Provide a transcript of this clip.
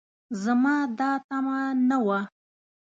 زما دا تمعه نه وه